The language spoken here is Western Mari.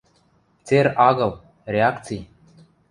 Цер агыл, реакци...